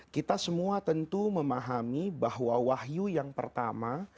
kita semua tentu memahami bahwa wahyu yang pertama